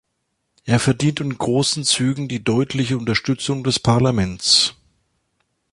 Er verdient in großen Zügen die deutliche Unterstützung des Parlaments.